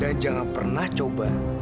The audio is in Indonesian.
dan jangan pernah coba